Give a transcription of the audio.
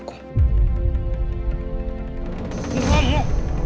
aku gak mau